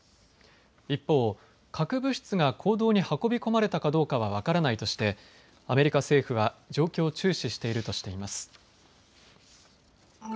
一方、核物質が坑道に運び込まれたかどうかは分からないとしてアメリカ政府は状況を注視しているとしています。